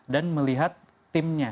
dan melihat timnya